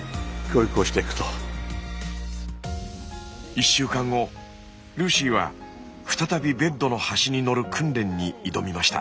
１週間後ルーシーは再びベッドの端にのる訓練に挑みました。